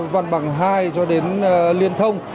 văn bằng hai cho đến liên thông